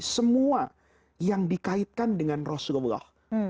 semua yang dikaitkan dengan rasulullah